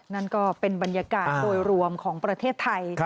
นั่นก็เป็นบรรยากาศโดยรวมของประเทศไทย